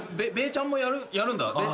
ベーちゃんもやるんだ。